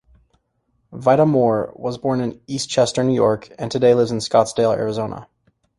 Vita-More was born in Eastchester, New York, and today lives in Scottsdale, Arizona.